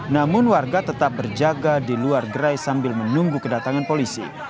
namun warga tetap berjaga di luar gerai sambil menunggu kedatangan polisi